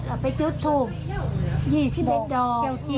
แล้วไปจุดถูก๒๐แบ็ทโดม